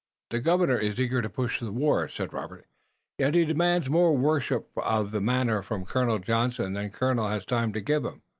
"The Governor is eager to push the war," said Robert, "yet he demands more worship of the manner from Colonel Johnson than the colonel has time to give him.